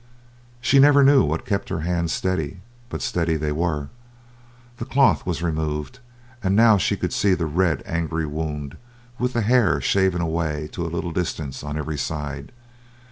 She never knew what kept her hands steady, but steady they were. The cloth was removed, and now she could see the red, angry wound, with the hair shaven away to a little distance on every side.